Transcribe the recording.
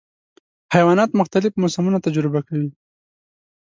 حیوانات مختلف موسمونه تجربه کوي.